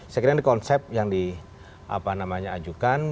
saya kira ini konsep yang di ajukan